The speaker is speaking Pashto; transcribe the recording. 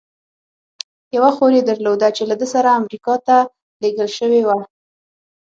یوه خور یې درلوده، چې له ده سره امریکا ته لېږل شوې وه.